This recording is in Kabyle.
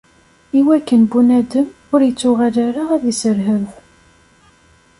Iwakken bunadem ur ittuɣal ara ad iserheb.